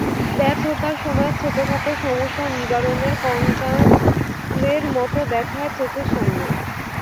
ব্যর্থতার সময় ছোটখাটো সমস্যাও নিরাবরণ কঙ্কালের মতো দেখা দেয় চোখের সামনে।